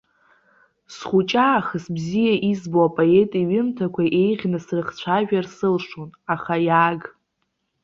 Схәыҷаахыс бзиа избо апоет иҩымҭақәа еиӷьны срыхцәажәар сылшон, аха иааг!